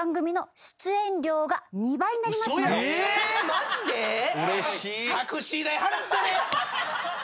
マジで⁉うれしい！